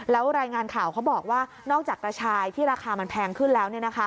แล้วรายงานข่าวเขาบอกว่านอกจากกระชายที่ราคามันแพงขึ้นแล้ว